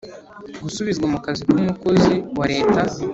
gusubizwa mu kazi k umukozi wa Leta